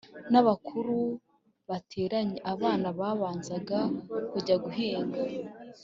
n’abakuru bateranye. Abana babanzaga kujya guhinga.